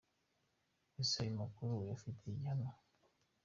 Ese ayo makuru yo uyafitiye gihamya?